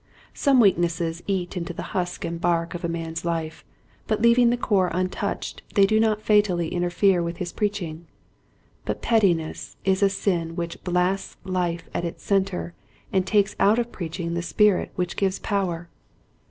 Some weaknesses eat into the husk and bark of a man's life, but leaving the core untouched they do not fatally interfere with his preach ing : but pettiness is a sin which blasts life at its center and takes out of preaching the spirit which gives power.